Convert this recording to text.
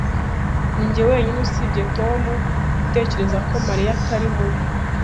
Ninjye wenyine usibye Tom utekereza ko Mariya atari mubi.